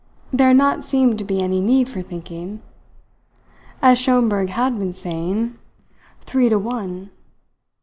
There had not seemed to be any need for thinking. As Schomberg had been saying: "Three to one."